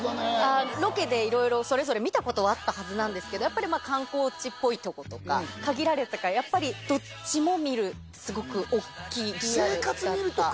ロケでいろいろそれぞれ見たことあったはずなんですけどやっぱり観光地っぽいとことか限られてたからやっぱりどっちも見るすごく大っきいリアルだった。